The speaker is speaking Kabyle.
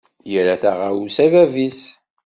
Yerra taɣawsa i bab-is.